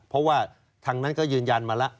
เพราะว่าทางนั้นก็ยืนยันมาแล้ว